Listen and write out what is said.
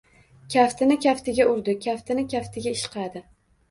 Kaftini kaftiga urdi. Kaftini kaftiga ishqadi.